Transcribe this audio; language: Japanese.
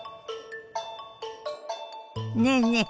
ねえねえ